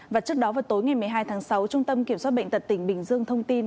và trước đó vào tối ngày một mươi hai tháng sáu trung tâm kiểm soát bệnh tật tỉnh bình dương thông tin